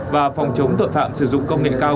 và phòng chống tội phạm sử dụng công nghệ cao